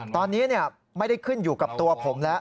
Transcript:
ตอนนี้ไม่ได้ขึ้นอยู่กับตัวผมแล้ว